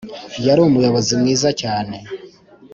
yari umuyobozi mwiza cyane